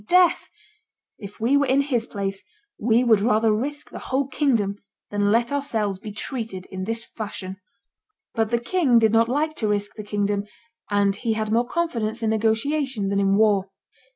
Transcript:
'Sdeath! if we were in his place, we would rather risk the whole kingdom than let ourselves be treated in this fashion." But the king did not like to risk the kingdom; and he had more confidence in negotiation than in war.